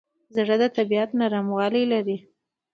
زړه د طبیعت نرموالی لري.